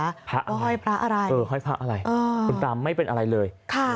ว่าห้อยพระอะไรหุนตาไม่เป็นอะไรเลย